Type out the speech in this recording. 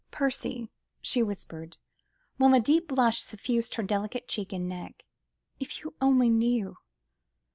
"Percy," she whispered, while a deep blush suffused her delicate cheeks and neck, "if you only knew